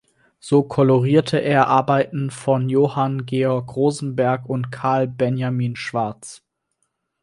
So kolorierte er Arbeiten von Johann Georg Rosenberg und Carl Benjamin Schwarz.